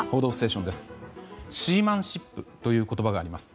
シーマンシップという言葉があります。